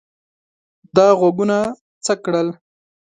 ده غوږونه څک کړل.